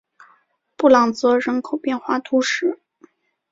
布朗泽人口变化图示